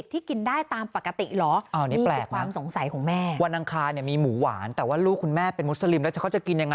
ถาดที่จะอยู่เป็นถาดหลุมมีซีลปลาสติก